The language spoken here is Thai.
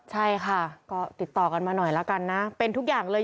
ใช่ค่ะก็ติดต่อกันมาหน่อยละกันนะเป็นทุกอย่างเลย